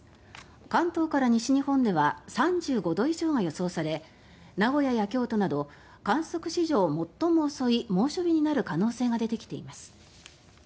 関東から西日本では３５度以上が予想され名古屋や京都など観測史上最も遅い猛暑日になる可能性が出てきています。